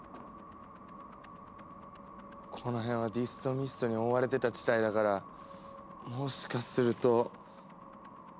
この辺はディストミストに覆われてた地帯だからもしかすると。